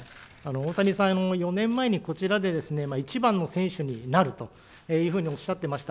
大谷さん、４年前にこちらで、いちばんの選手になるとというふうに思っていました。